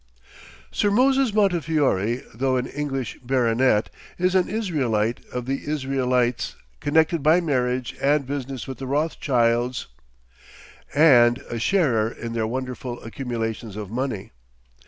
Sir Moses Montefiore, though an English baronet, is an Israelite of the Israelites, connected by marriage and business with the Rothschilds, and a sharer in their wonderful accumulations of money.